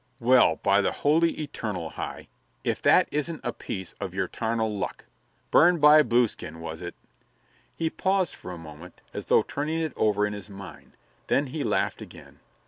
"Well, by the Holy Eternal, Hi, if that isn't a piece of your tarnal luck. Burned by Blueskin, was it?" He paused for a moment, as though turning it over in his mind. Then he laughed again.